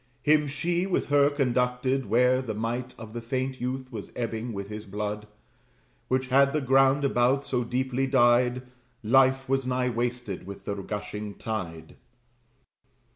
Him she with her conducted, where the might Of the faint youth was ebbing with his blood: Which had the ground about so deeply dyed Life was nigh wasted with the gushing tide.